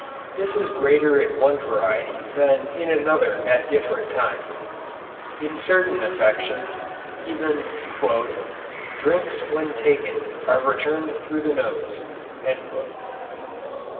This is greater in one variety than in another at different times. In certain affections even "drinks when taken are returned through the nose."